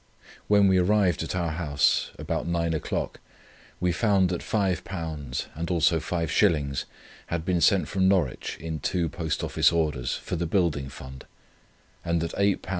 "When we arrived at our house, about nine o'clock, we found that £5 and also 5s. had been sent from Norwich in two Post Office Orders for the Building Fund, and that £8 3s.